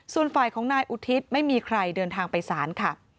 ส่วนฝ่ายของนายอุทิศไม่มีใครเดินทางไปศาลค่ะ